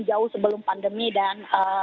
jauh sebelum pandemi dan